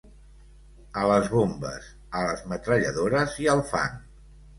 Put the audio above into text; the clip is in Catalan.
...a les bombes, a les metralladores i al fang.